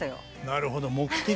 なるほど。